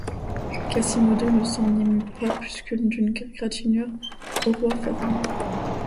Quasimodo ne s’en émut pas plus que d’une égratignure au roi Pharamond.